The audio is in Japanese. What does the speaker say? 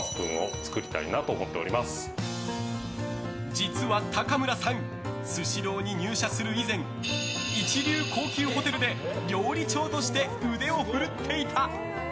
実は高村さんスシローに入社する以前一流高級ホテルで料理長として腕を振るっていた。